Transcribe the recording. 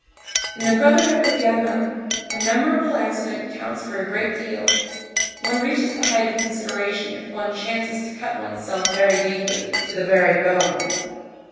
In the brotherhood of gamins, a memorable accident counts for a great deal. One reaches the height of consideration if one chances to cut one's self very deeply, "to the very bone."